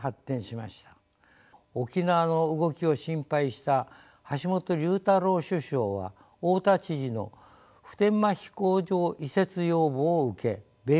沖縄の動きを心配した橋本龍太郎首相は大田知事の普天間飛行場移設要望を受け米国と交渉